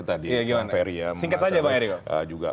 tadi periode juga